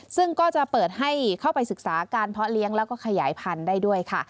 ซึ่งก็จะเปิดให้เข้าไปศึกษาการเพาะเลี้ยงแล้วก็ขยายพันธุ์ได้ด้วยค่ะ